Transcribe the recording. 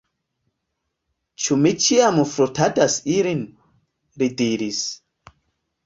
Ĉu mi ĉiam frotadas ilin? li diris.